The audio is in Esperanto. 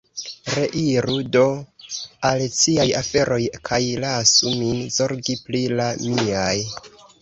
Reiru do al ciaj aferoj, kaj lasu min zorgi pri la miaj.